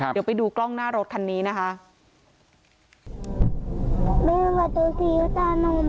เดี๋ยวไปดูกล้องหน้ารถคันนี้นะคะ